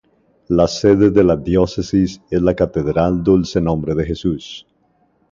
La sede de la Diócesis es la Catedral Dulce Nombre de Jesús.